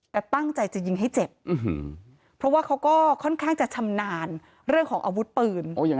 แต่ตั้งใจจะยิงให้เจ็บเพราะว่าเขาก็ค่อนข้างจะชำนาญเรื่องของอาวุธปืน